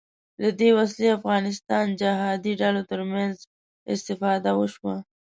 له دې وسلې افغانستان جهادي ډلو تر منځ استفاده وشوه